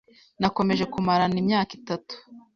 Nakomeje kumarana imyaka itatu.